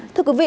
thưa quý vị